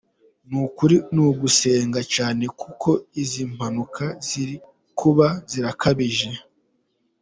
nukuri nugusenga cyane kuko izimpanuka zirikuba zirakabije.